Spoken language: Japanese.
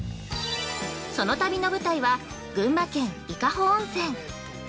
その旅の舞台は、群馬県・伊香保温泉。